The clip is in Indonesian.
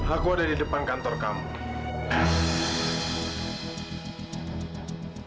aku ada di depan kantor kamu